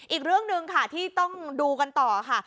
อีกเรื่องหนึ่งค่ะที่ต้องดูกันต่อค่ะ